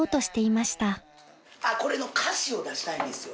これの歌詞を出したいんですよ。